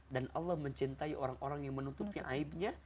dan allah mencintai orang orang yang menutupi aibnya